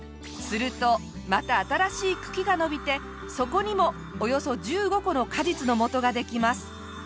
するとまた新しい茎が伸びてそこにもおよそ１５個の果実のもとができます。